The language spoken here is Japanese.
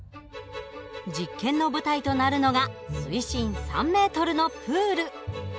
実験の舞台となるのが水深３ｍのプール。